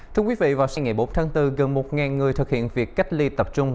thưa quý vị vào sinh ngày bốn tháng bốn gần một người thực hiện việc cách ly tập trung